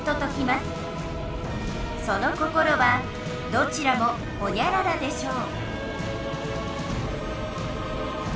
どちらもホニャララでしょう